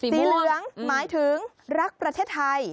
สีเหลืองหมายถึงรักประเทศไทย